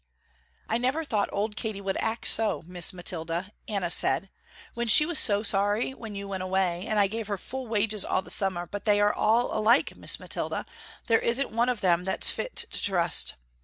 "I never thought old Katy would act so Miss Mathilda," Anna said, "when she was so sorry when you went away, and I gave her full wages all the summer, but they are all alike Miss Mathilda, there isn't one of them that's fit to trust.